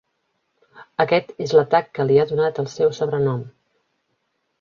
Aquest és l'atac que li ha donat el seu sobrenom.